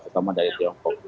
terutama dari tiongkok